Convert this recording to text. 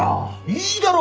いいだろ！